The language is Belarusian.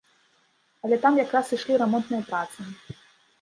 Але там якраз ішлі рамонтныя працы.